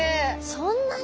そんなに？